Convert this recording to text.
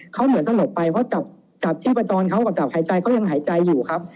เขาเหมือนสลบไปเพราะจับชีพจรเขากับหายใจเขายังหายใจอยู่ครับ